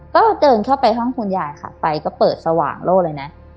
ก็เดินเข้าไปห้องคุณยายค่ะไปก็เปิดสว่างโล่เลยนะ